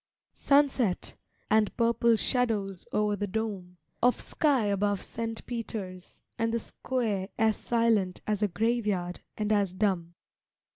Sunset, and purple shadows o'er the dome Of sky above St Peter's; and the square As silent as a graveyard, and as dumb.